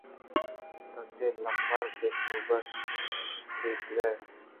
تو چہ سے لمبر ءَ بے سوب بیتگ ئے۔